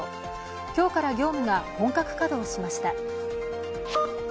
今日から業務が本格稼働しました。